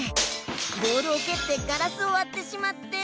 ボールをけってガラスをわってしまって。